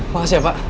makasih ya pak